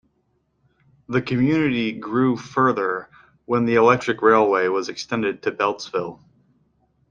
The community grew further when an electric railway was extended to Beltsville.